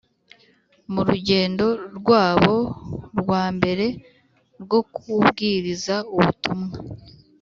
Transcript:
mu rugendo rwabo rwa mbere rwo kubwiriza ubutumwa